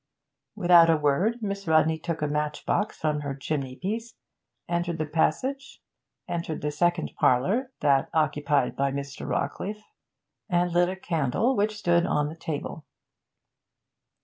Without a word Miss Rodney took a match box from her chimney piece, entered the passage, entered the second parlour that occupied by Mr. Rawcliffe and lit a candle which stood on the table.